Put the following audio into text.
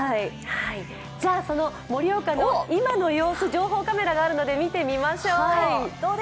その盛岡の今の様子、情報カメラがあるので見てみましょう。